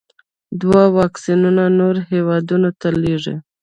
دوی واکسینونه نورو هیوادونو ته لیږي.